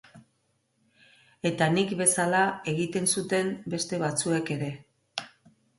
Eta nik bezala egiten zuten beste batzuek ere.